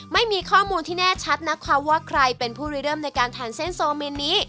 ไม่มีข้อมูลที่แน่ชัดนะคะว่าใครเป็นผู้รีเริ่มในการทานเส้นโซมินนี้